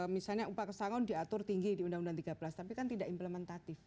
misalnya upah kesahwan diatur tinggi di undang undang tiga belas tapi kan tidak implementatif